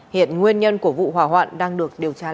hiện nguyên nhân của vụ hỏa hoạn đang được điều tra làm rõ